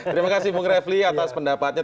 terima kasih bung refli atas pendapatnya